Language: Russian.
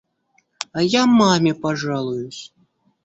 А я маме пожалуюсь.